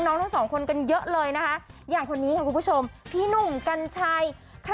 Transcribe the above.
ทั้งสองคนกันเยอะเลยนะคะอย่างคนนี้ค่ะคุณผู้ชมพี่หนุ่มกัญชัยค่ะ